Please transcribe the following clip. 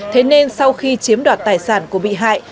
thế nên sau khi chiếm đoạt tài sản của bị hại